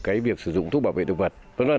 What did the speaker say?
cái việc sử dụng thuốc bảo vệ thực vật